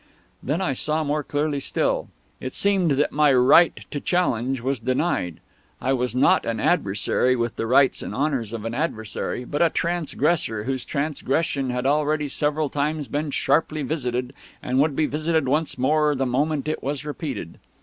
Then I saw more clearly still. It seemed that my right to challenge was denied. I was not an adversary, with the rights and honours of an adversary, but a trangressor, whose trangression had already several times been sharply visited, and would be visited once more the moment it was repeated.